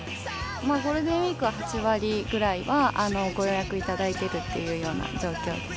ゴールデンウィークは８割ぐらいはご予約いただいてるっていうような状況です。